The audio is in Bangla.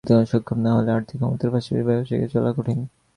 তথ্যপ্রযুক্তিতে সক্ষম না হলে আর্থিক ক্ষতির পাশাপাশি ব্যবসায় এগিয়ে চলা কঠিন।